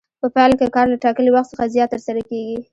په پایله کې کار له ټاکلي وخت څخه زیات ترسره کېږي